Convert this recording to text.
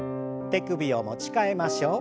手首を持ち替えましょう。